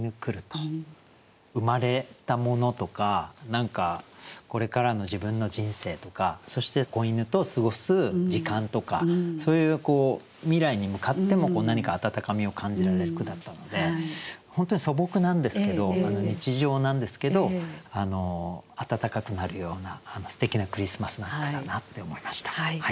生まれたものとか何かこれからの自分の人生とかそして仔犬と過ごす時間とかそういうこう未来に向かっても何か温かみを感じられる句だったので本当に素朴なんですけど日常なんですけど温かくなるようなすてきなクリスマスなんだろうなって思いました。